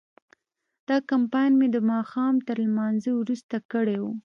دا کمپاین مې د ماښام تر لمانځه وروسته کړی و.